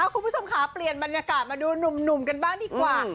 คุณผู้ชมค่ะเปลี่ยนบรรยากาศมาดูหนุ่มกันบ้างดีกว่า